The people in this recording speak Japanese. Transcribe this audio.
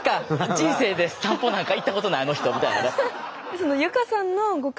「人生で散歩なんか行ったことないあの人」みたいなね。